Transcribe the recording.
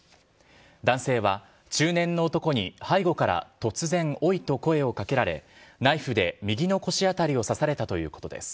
男性は中年の男に背後から突然、おいと声をかけられ、ナイフで右の腰辺りを刺されたということです。